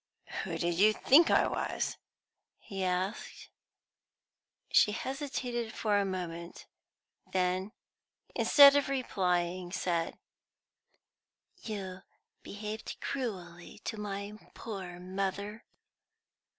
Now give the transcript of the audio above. "Who did you think I was?" he asked. She hesitated for a moment, then, instead of replying, said: "You behaved cruelly to my poor mother."